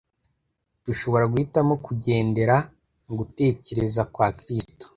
Dushobora guhitamo kugendera mu gutekereza kwa Kristo.